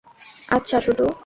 আচ্ছা, শুটু!